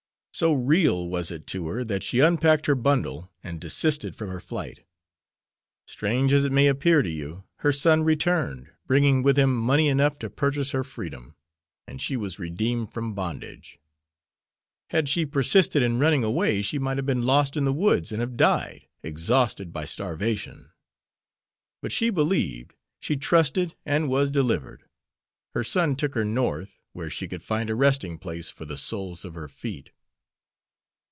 So real was it to her that she unpacked her bundle and desisted from her flight. Strange as it may appear to you, her son returned, bringing with him money enough to purchase her freedom, and she was redeemed from bondage. Had she persisted in running away she might have been lost in the woods and have died, exhausted by starvation. But she believed, she trusted, and was delivered. Her son took her North, where she could find a resting place for the soles of her feet."